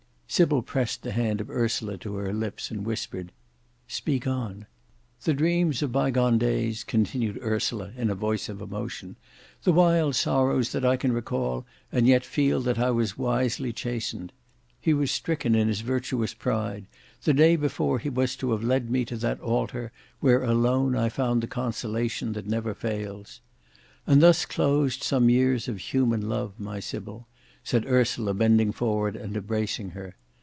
Sybil pressed the hand of Ursula to her lips and whispered, "Speak on." "The dreams of by gone days," continued Ursula in a voice of emotion, "the wild sorrows than I can recall, and yet feel that I was wisely chastened. He was stricken in his virtuous pride, the day before he was to have led me to that altar where alone I found the consolation that never fails. And thus closed some years of human love, my Sybil," said Ursula, bending forward and embracing her.